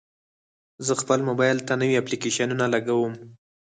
زه خپل موبایل ته نوي اپلیکیشنونه لګوم.